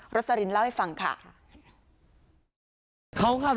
สลินเล่าให้ฟังค่ะ